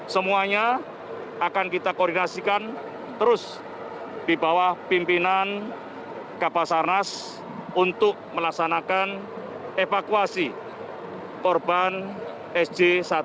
semuanya akan kita koordinasikan terus di bawah pimpinan kapal sarnas untuk melaksanakan evakuasi korban sj satu ratus delapan puluh dua